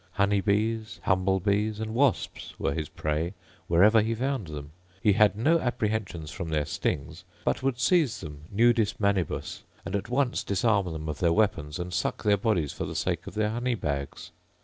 Honeybees, humble bees, and wasps, were his prey wherever he found them: he had no apprehensions from their stings, but would seize them nudis manibus, and at once disarm them of their weapons, and suck their bodies for the sake of their honey bags.